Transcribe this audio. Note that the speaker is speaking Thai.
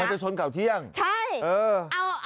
มันจะชนเก่าเที่ยงใช่เออ